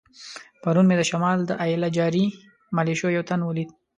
پرون مې د شمال د ایله جاري ملیشو یو تن ولید.